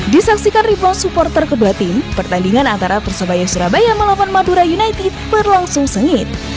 disaksikan ribuan supporter kedua tim pertandingan antara persebaya surabaya melawan madura united berlangsung sengit